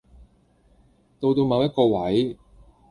到到某一個位